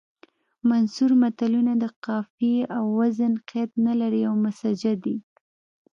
منثور متلونه د قافیې او وزن قید نه لري او مسجع دي